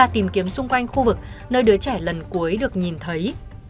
tìm kiếm xung quanh khu vực nơi đứa trẻ lần cuối được nhìn thấy